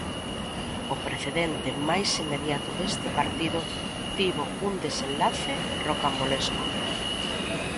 O precedente máis inmediato deste partido tivo un desenlace rocambolesco.